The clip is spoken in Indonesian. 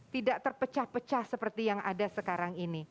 tidak terpecah pecah seperti yang ada sekarang ini